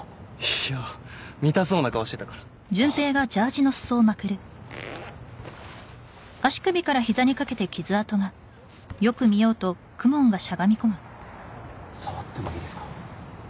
いや見たそうな顔してたからああ触ってもいいですか？